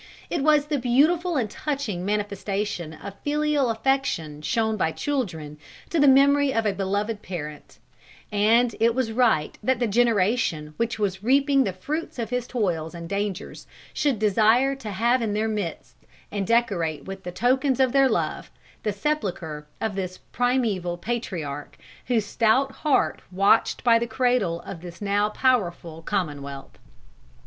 It was the beautiful and touching manifestation of filial affection shown by children to the memory of a beloved parent; and it was right that the generation which was reaping the fruits of his toils and dangers should desire to have in their midst and decorate with the tokens of their love, the sepulchre of this Primeval Patriarch whose stout heart watched by the cradle of this now powerful Commonwealth."